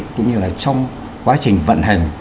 cũng như là trong quá trình vận hành